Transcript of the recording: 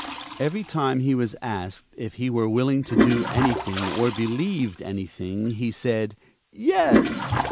Every time he was asked if he were willing to do anything, or believed anything, he said "Yes."